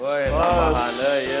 woy tambahan ya